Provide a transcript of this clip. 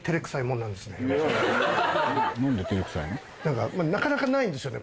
何かなかなかないんですよね